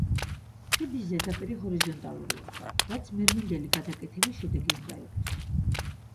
ხიდის ზედაპირი ჰორიზონტალურია, რაც მერმინდელი გადაკეთების შედეგი უნდა იყოს.